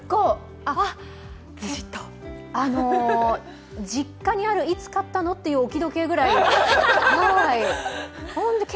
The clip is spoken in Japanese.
あの、実家にあるいつ買ったの？っていう置き時計ぐらい。